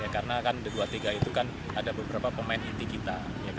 karena kan u dua puluh tiga itu kan ada beberapa pemain inti kita